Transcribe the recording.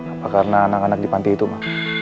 apa karena anak anak di panti itu ma